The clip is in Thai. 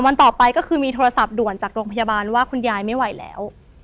วันต่อไปก็คือมีโทรศัพท์ด่วนจากโรงพยาบาลว่าคุณยายไม่ไหวแล้ว